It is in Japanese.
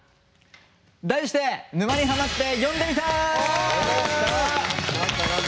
題して「沼にハマって詠んでみた」！